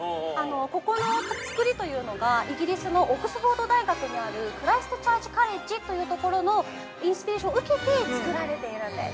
ここのつくりというのがイギリスのオックスフォード大学にあるクライスト・チャーチ・カレッジというところのインスピレーションを受けてつくられているんです。